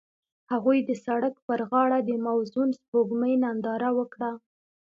هغوی د سړک پر غاړه د موزون سپوږمۍ ننداره وکړه.